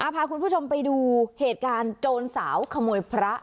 พาคุณผู้ชมไปดูเหตุการณ์โจรสาวขโมยพระ